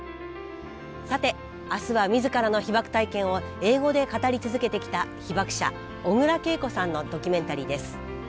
さて明日は自らの被爆体験を英語で語り続けてきた被爆者小倉桂子さんのドキュメンタリーです。